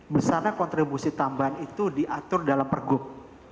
besarnya kontribusi tambahan itu diatur dalam pergub